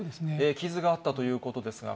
傷があったということですが。